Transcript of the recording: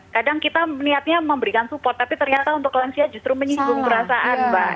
kadang kita niatnya memberikan support tapi ternyata untuk lansia justru menyinggung perasaan mbak